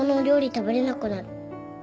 食べれなくなる。